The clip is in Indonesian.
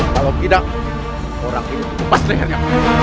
kalau tidak orang ini akan lepas lehernya